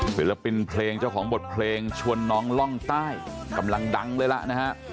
ศิลปินเพลงเจ้าของบทเพลงชวนน้องล่องใต้กำลังดังเลยล่ะนะฮะ